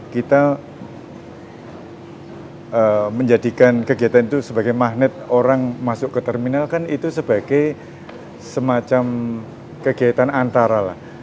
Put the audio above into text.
kita menjadikan kegiatan itu sebagai magnet orang masuk ke terminal kan itu sebagai semacam kegiatan antara lah